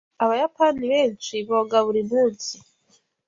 Abayapani benshi boga buri munsi.